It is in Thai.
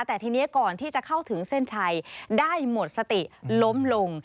แต่ทีนี้ก่อนที่จะเข้าถึงเส้นชัยได้หมดสติล้มลง